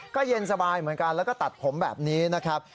ก็เย็นสบายเหมือนกันแล้วก็ตัดผมแบบนี้นะครับ